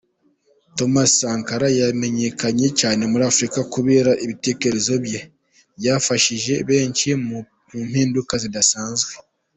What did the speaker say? Thomas Sankara yamenyekanye cyane muri Afurika kubera ibitekerezo bye, byafashije benshi mu mpinduka zidasanzwe.